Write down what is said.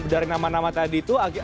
dari nama nama tadi itu